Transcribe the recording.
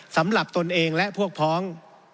สำหรับตนเองและพวกพร้อง